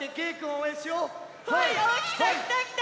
おおきたきたきた！